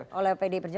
yang diusul oleh pdip